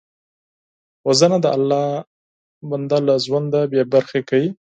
وژنه د الله بنده له ژونده بېبرخې کوي